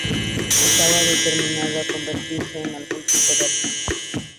Estaba determinado a convertirse en algún tipo de artista.